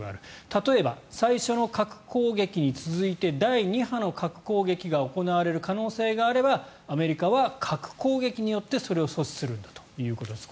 例えば、最初の核攻撃に続いて第２波の核攻撃が行われる可能性があればアメリカは核攻撃によってそれを阻止するんだということです。